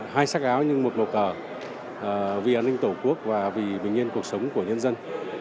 hai sắc áo nhưng một nộc cờ vì an ninh tổ quốc và vì bình yên cuộc sống của nhân dân